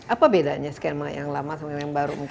apa bedanya skema yang lama sama yang baru